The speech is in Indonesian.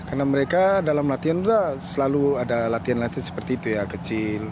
karena mereka dalam latihan selalu ada latihan latihan seperti itu ya kecil